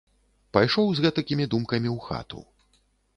Пайшоў з гэтакімі думкамі ў хату.